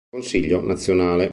Consiglio nazionale